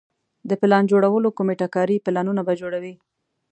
د پلان جوړولو کمیټه کاري پلانونه به جوړوي.